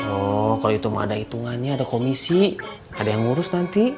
oh kalau itu ada hitungannya ada komisi ada yang ngurus nanti